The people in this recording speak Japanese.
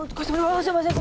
ああすいません